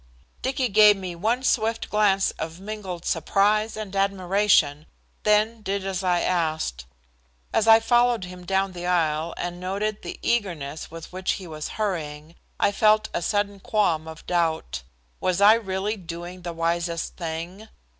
Dicky gave me one swift glance of mingled surprise and admiration, then did as I asked. As I followed him down the aisle and noted the eagerness with which he was hurrying, I felt a sudden qualm of doubt. Was I really doing the wisest thing?